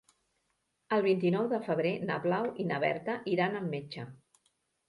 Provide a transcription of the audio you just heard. El vint-i-nou de febrer na Blau i na Berta iran al metge.